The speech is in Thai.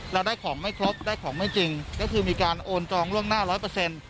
เราได้ของไม่ครบได้ของไม่จริงก็คือมีการโอนจองล่วงหน้าร้อยเปอร์เซ็นต์